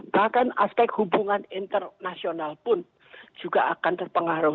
bahkan aspek hubungan internasional pun juga akan terpengaruh